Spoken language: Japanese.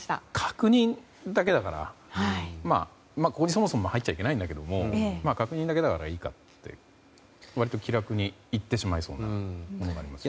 確認だけだからまあ、ここにそもそも入っちゃいけないんだけれども確認だけだからいいかって割と気楽にいってしまいそうなものがありますね。